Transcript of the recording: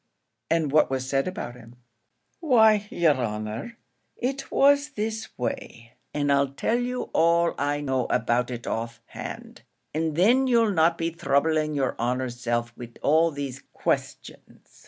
"And what was said about him?" "Why, yer honour it was this way and I'll tell you all I know about it off hand and thin you'll not be throubling yer honour's self wid all these questions.